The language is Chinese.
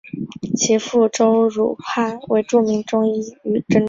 其父周汝汉为著名中医与针灸师。